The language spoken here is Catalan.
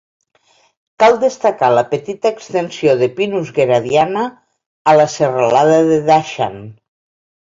Cal destacar la petita extensió de "Pinus geradiana" a la serralada de Dachan.